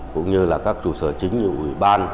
cũng như là các trụ sở chính như ủy ban